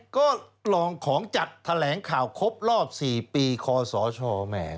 ก็กลองของจัดแถลงข่าวครบรอบ๔ปีคอสชแหม